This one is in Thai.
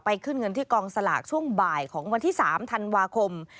ขึ้นเงินที่กองสลากช่วงบ่ายของวันที่๓ธันวาคม